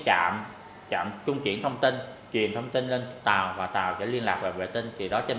trạm trạm trung chuyển thông tin truyền thông tin lên tàu và tàu để liên lạc về vệ tinh thì đó trên